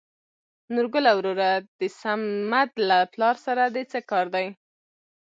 نورګله وروره د سمد له پلار سره د څه کار دى ؟